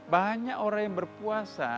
banyak orang yang berpuasa